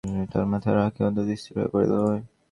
ধ্রুব কাঁধে মাথা রাখিয়া অত্যন্ত স্থির হইয়া পড়িয়া রহিল।